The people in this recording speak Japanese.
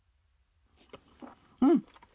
うん！